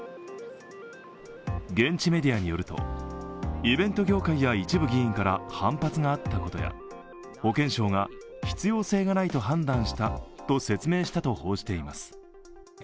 現地メディアによると、イベント業界や一部議員から反発があったことや、保健相が、必要性がないと判断したと説明したと報じています。